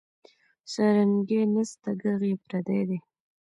سارنګۍ نسته ږغ یې پردی دی